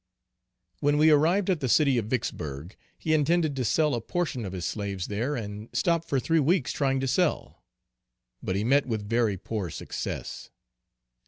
_ When we arrived at the city of Vicksburg, he intended to sell a portion of his slaves there, and stopped for three weeks trying to sell. But he met with very poor success.